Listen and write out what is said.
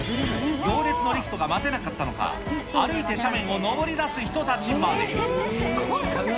行列のリフトが待てなかったのか、歩いて斜面を登りだす人たちまで。